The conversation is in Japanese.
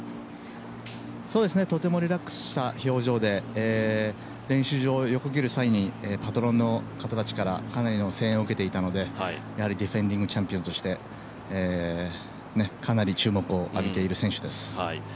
とてもリラックスした表情で、練習場を横切る際にパトロンの方たちからかなりの声援を受けていたのでやはりディフェンディングチャンピオンとしてかなり注目を浴びている選手です。